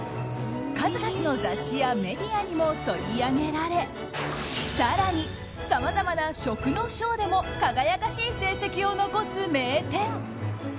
数々の雑誌やメディアにも取り上げられ更に、さまざまな食の賞でも輝かしい成績を残す名店。